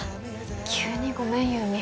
急にごめん優美。